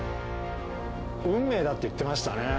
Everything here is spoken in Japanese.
運命だって言ってましたね。